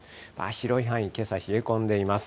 広い範囲、けさ冷え込んでいます。